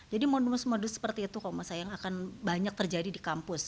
jadi modus modus seperti itu kalau yang akan banyak terjadi di kampus